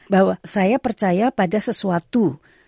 bahwa saya percaya pada sesuatu